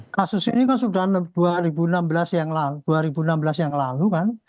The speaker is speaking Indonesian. kasus ini kan sudah dua ribu enam belas yang lalu kan